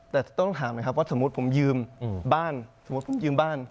แต่ต้องถามนะครับว่าสมมุติผมยืมบ้าน